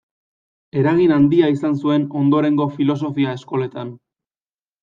Eragin handia izan zuen ondorengo filosofia-eskoletan.